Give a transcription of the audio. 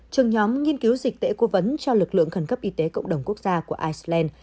trường nhóm nghiên cứu dịch tễ cố vấn cho lực lượng khẩn cấp y tế cộng đồng quốc gia của iceland